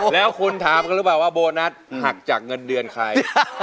แล้วคุณถามกันหรือเปล่าว่าโบนัสหักจากเงินเดือนใคร